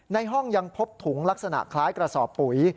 ในห้องยังพบถุงลักษณะคล้ายกระสอบปุ๋ย